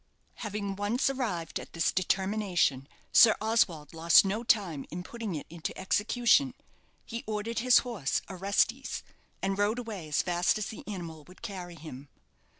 Having once arrived at this determination, Sir Oswald lost no time in putting it into execution. He ordered his horse, Orestes, and rode away as fast as the animal would carry him.